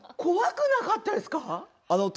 怖くなかったですか。